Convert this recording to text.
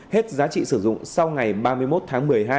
hết giá trị sử dụng sau ngày ba mươi một tháng một mươi hai